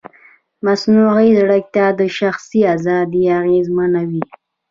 مصنوعي ځیرکتیا د شخصي ازادۍ اغېزمنوي.